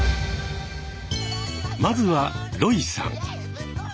まずはロイさん。